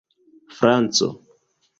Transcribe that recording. franco